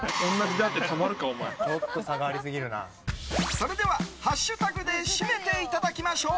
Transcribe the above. それではハッシュタグで締めていただきましょう。